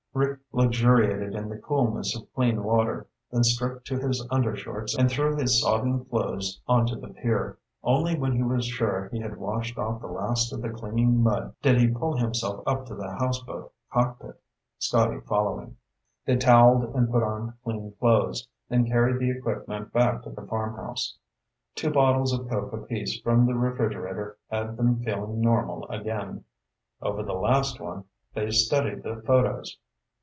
Rick luxuriated in the coolness of clean water, then stripped to his undershorts and threw his sodden clothes onto the pier. Only when he was sure he had washed off the last of the clinging mud did he pull himself up to the houseboat cockpit, Scotty following. They toweled and put on clean clothes, then carried the equipment back to the farmhouse. Two bottles of Coke apiece from the refrigerator had them feeling normal again. Over the last one, they studied the photos.